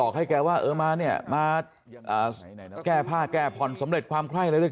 โอเคก็คือเลยไม่อย่างมากใช่ครับคือ